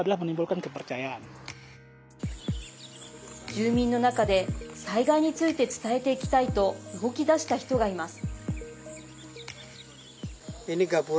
住民の中で災害について伝えていきたいと動き出した人がいます。